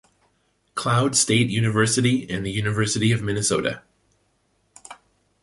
Cloud State University and the University of Minnesota.